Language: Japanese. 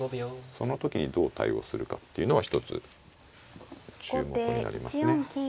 その時にどう対応するかっていうのは一つ注目になりますね。